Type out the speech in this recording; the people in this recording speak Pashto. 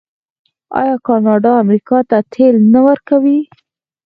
آیا کاناډا امریکا ته تیل نه ورکوي؟